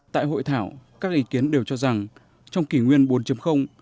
tại hội thảo các ý kiến đều cho rằng trong kỷ nguyên bốn